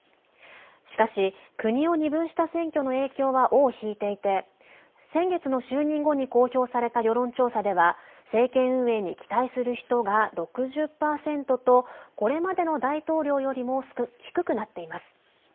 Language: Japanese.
しかし、国を二分した選挙の影響は尾を引いていて先月の就任後に公表された世論調査では政権運営に期待する人が６０％とこれまでの大統領よりも低くなっています。